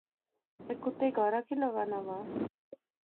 میں کتے گارا کی لاغا ناں وہے